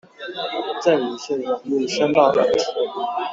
贈與稅網路申報軟體